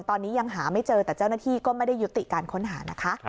ตอนนี้ยังหาไม่เจอแต่เจ้าหน้าที่ก็ไม่ได้ยุติการค้นหานะคะ